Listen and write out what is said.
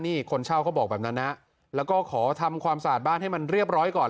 นี่คนเช่าเขาบอกแบบนั้นนะแล้วก็ขอทำความสะอาดบ้านให้มันเรียบร้อยก่อน